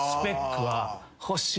はい。